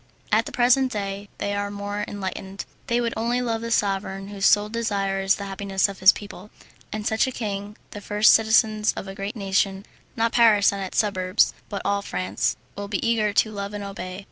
At the present day they are more enlightened, and would only love the sovereign whose sole desire is the happiness of his people, and such a king the first citizens of a great nation not Paris and its suburbs, but all France, will be eager to love and obey.